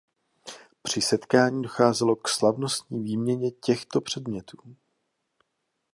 Při setkání docházelo k slavnostní výměně těchto předmětů.